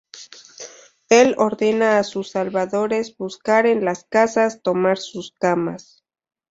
Él ordena a sus salvadores buscar en las casas, tomar sus camas.